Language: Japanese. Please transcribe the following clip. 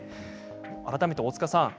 改めて大塚さん